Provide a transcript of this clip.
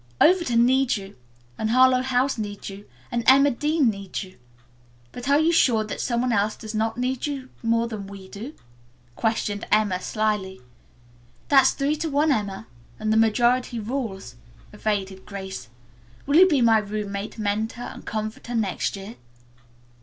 '" "Overton needs you, and Harlowe House needs you, and Emma Dean needs you, but are you sure that some one else does not need you more than we do?" questioned Emma slyly. "That's three to one, Emma, and the majority rules," evaded Grace. "Will you be my roommate, mentor and comforter next year?"